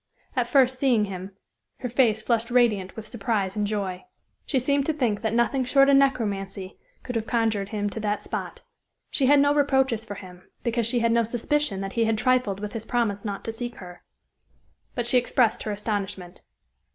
At first seeing him her face flushed radiant with surprise and joy. She seemed to think that nothing short of necromancy could have conjured him to that spot. She had no reproaches for him, because she had no suspicion that he had trifled with his promise not to seek her. But she expressed her astonishment.